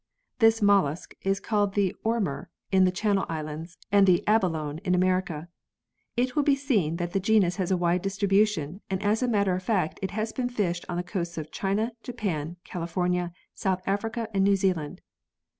This mollusc is called the "Ormer" in the Channel Islands, and the "Abalone" in America. It will be seen that the genus has a wide distribution and as a matter of fact it has been fished on the coasts of China, Japan, California, South Africa and New Zealand.